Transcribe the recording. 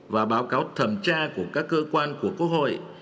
và báo cáo thẩm tra của các cơ quan của quốc hội